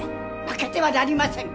負けてはなりません！